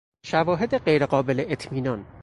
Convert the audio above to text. شواهد غیر قابل اطمینان